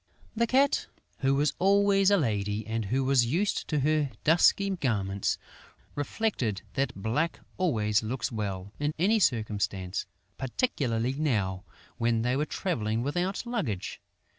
The Cat, who was always a lady and who was used to her dusky garments, reflected that black always looks well, in any circumstance, particularly now, when they were travelling without luggage.